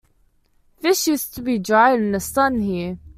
Fish used to be dried in the sun here.